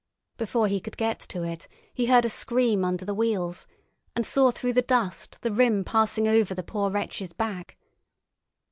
Before he could get to it, he heard a scream under the wheels, and saw through the dust the rim passing over the poor wretch's back.